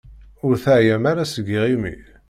Ur teεyam ara seg yiɣimi?